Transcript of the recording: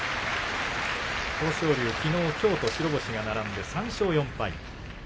きのう、きょうと白星が並んで３勝４敗。